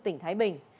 tỉnh thái bình